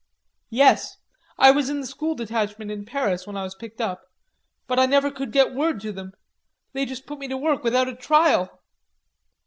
"Yes. I was in the School Detachment in Paris when I was picked up. But I never could get word to them. They just put me to work without a trial.